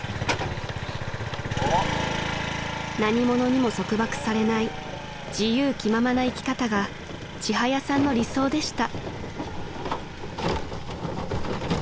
［何ものにも束縛されない自由気ままな生き方がちはやさんの理想でした］